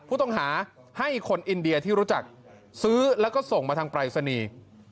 ผู้ต้องหาให้คนอินเดียที่รู้จักซื้อแล้วก็ส่งมาทางปรายศนีย์